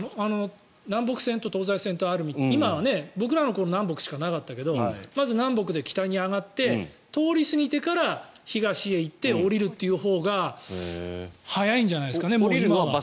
南北線と東西線があって僕らの頃、南北しかなかったけどまず南北で北に上がって通り過ぎてから東へ行って下りるというほうが早いんじゃないですかね。